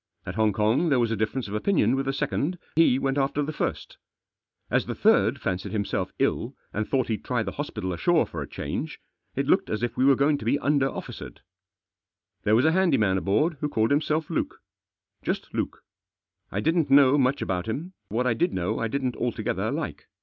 At Hong Kong there was a difference of opinion with the second, he went after the first As the third fancied himself ill, and thought he'd try the hospital ashore for a change, it looked as if we were going to be under officered, There was a handy man aboard who called himself Digitized by LUKE'S SUGGESTION. 235 Luke, Just Luke. I didn't know much about him, what I did know I didn't altogether like.